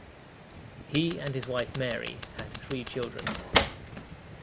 He and his wife, Mary, had three children.